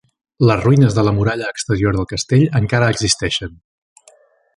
Les ruïnes de la muralla exterior del castell encara existeixen.